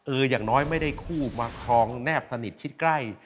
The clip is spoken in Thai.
อย่างน้อยไม่ได้คู่มาคลองแนบสนิทชิดใกล้